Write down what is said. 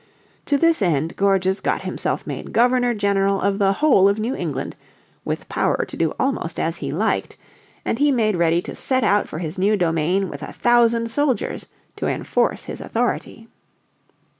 To this end Gorges got himself made Governor General of the whole of New England, with power to do almost as he liked, and he made ready to set out for his new domain with a thousand soldiers to enforce his authority.